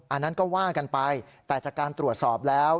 อันนั้นก็ว่ากันไปแต่จากการตรวจสอบแล้ว